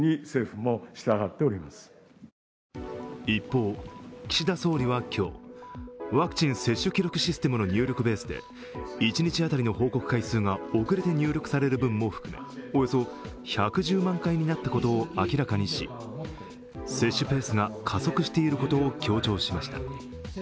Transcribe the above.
一方、岸田総理は今日ワクチン接種記録システムの入力ベースで一日当たりの報告回数が遅れて入力される分も含め、およそ１１０万回になったことを明らかにし接種ペースが加速していることを強調しました。